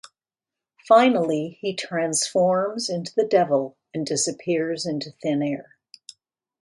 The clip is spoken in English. Finally he transforms into the Devil and disappears into thin air.